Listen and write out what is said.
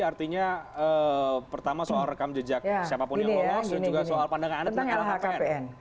artinya pertama soal rekam jejak siapapun yang lolos dan juga soal pandangan anda tentang lhpn